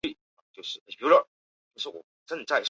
自雅西顿国王亚瑞吉来布一世的合法王权。